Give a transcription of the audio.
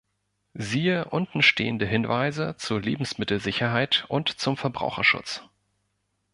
Siehe untenstehende Hinweise zur Lebensmittelsicherheit und zum Verbraucherschutz.